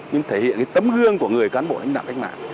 nhưng thể hiện cái tấm gương của người cán bộ lãnh đạo cách mạng